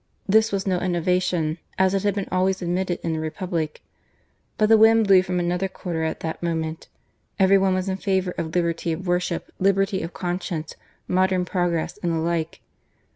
This was no innovation, as it had been always admitted in the Republic. But the wind blew from another quarter at that moment. Every one was in favour of liberty of worship, liberty of conscience, modern progress, and the like.